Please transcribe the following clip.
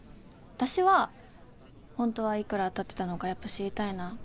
私は本当は幾ら当たってたのかやっぱ知りたいな。